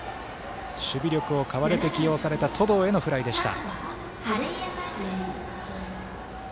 守備力を買われて起用された登藤へのフライでした。